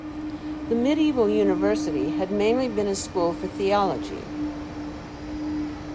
The medieval university had mainly been a school for theology.